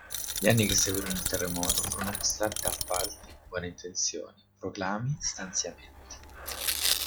Gli anni che seguirono il terremoto furono costellati da appalti, buone intenzioni, proclami, stanziamenti.